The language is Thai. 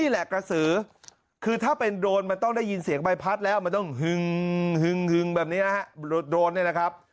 หึงแบบนี้โดนเนี่ยนะครับ